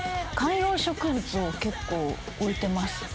観葉植物を結構置いてます。